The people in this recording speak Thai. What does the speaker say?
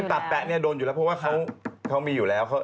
ตาแป๊ะเนี่ยโดนอยู่แล้วเพราะว่าเขามีอยู่แล้ว